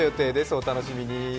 お楽しみに。